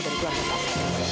dan keluarga pak prabu